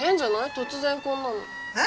突然こんなの。えっ？